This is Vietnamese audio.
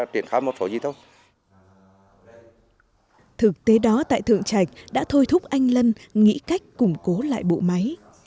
thực tế đó tại thượng trạch đã thôi thúc anh lân nghĩ cách củng cố lại bộ máy